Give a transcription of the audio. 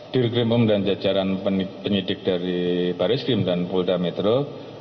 dir grim um dan jajaran penyidik dari baris grim dan bulda metro